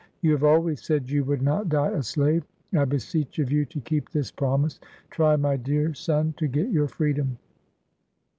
You have always said you would not die a slave : I be seech of you to keep this promise. Try, my dear son. to get your freedom!